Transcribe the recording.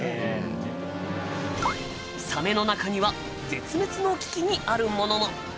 サメの中には絶滅の危機にあるものも。